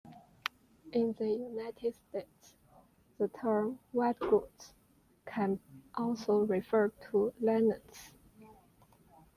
In the United States, the term "white goods" can also refer to linens.